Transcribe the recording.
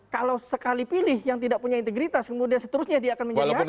kalau sekali pilih yang tidak punya integritas kemudian seterusnya dia akan menjadi hakim